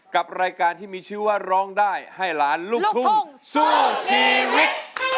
กับรายการที่มีชื่อว่าร้องได้ให้ล้านลูกทุ่งสู้ชีวิต